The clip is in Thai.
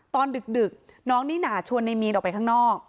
ดึกน้องนิน่าชวนในมีนออกไปข้างนอก